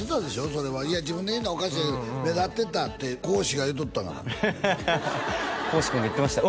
それはいや自分で言うのはおかしいけど目立ってたって孝子が言うとったがな孝子君が言ってました？